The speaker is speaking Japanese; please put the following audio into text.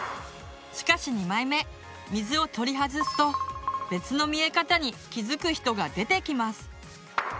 しかし２枚目水を取り外すと別の見え方に気付く人が出てきます。